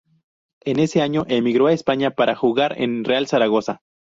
En ese año emigró a España para jugar en Real Zaragoza.